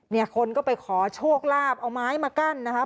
เนี่ยคนก็ไปขอโชคลาภเอาไม้มากั้นนะคะ